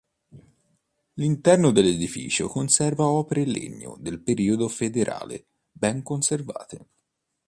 L'interno dell'edificio conserva opere in legno del periodo federale ben conservate.